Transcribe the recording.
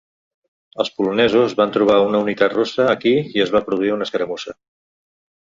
Els polonesos van trobar una unitat russa aquí i es va produir una escaramussa.